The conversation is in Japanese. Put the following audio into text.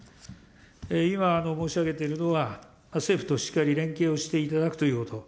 今申し上げているのは、政府としっかり連携をしていただくということ。